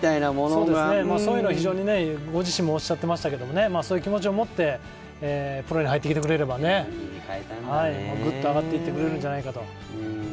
そういうのを非常にご自身もおっしゃっていましたけど、そういう気持ちを持ってプロに入ってきてくれれば、グッと上がっていってくれるんじゃないかと。